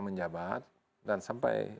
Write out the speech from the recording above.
menjabat dan sampai